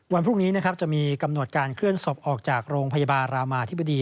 วันพรุ่งนี้นะครับจะมีกำหนดการเคลื่อนศพออกจากโรงพยาบาลรามาธิบดี